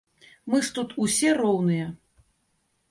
Мы ж тут усе роўныя!